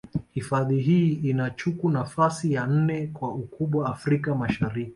Hifadhi hii inachuku nafasi ya nne kwa ukubwa Afrika Mashariki